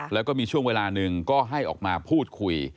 แล้วก็มีช่วงเวลาหนึ่งก็ให้ออกมาพูดคุย